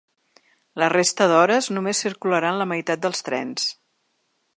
La resta d’hores només circularan la meitat dels trens.